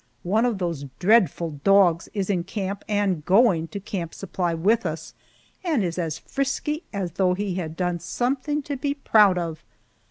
One of those dreadful dogs is in camp and going to Camp Supply with us, and is as frisky as though he had done something to be proud of.